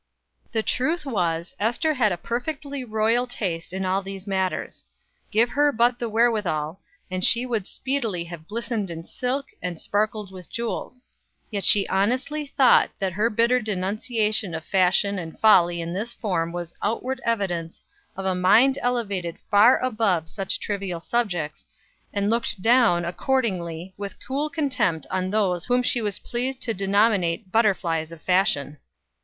The truth was, Ester had a perfectly royal taste in all these matters. Give her but the wherewithal, and she would speedily have glistened in silk, and sparkled with jewels; yet she honestly thought that her bitter denunciation of fashion and folly in this form was outward evidence of a mind elevated far above such trivial subjects, and looked down, accordingly, with cool contempt on those whom she was pleased to denominate "butterflies of fashion."